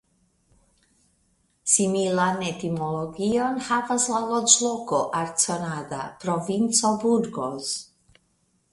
Similan etimologion havas la loĝloko Arconada (Provinco Burgos).